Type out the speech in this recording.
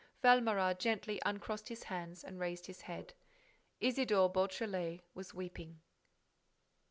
Valméras gently uncrossed his hands and raised his head. Isidore Beautrelet was weeping.